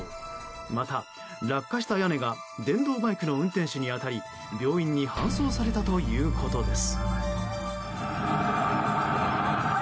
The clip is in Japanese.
また、落下した屋根が電動バイクの運転手に当たり病院に搬送されたということです。